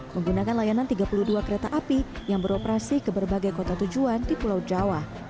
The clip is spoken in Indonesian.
menggunakan layanan tiga puluh dua kereta api yang beroperasi ke berbagai kota tujuan di pulau jawa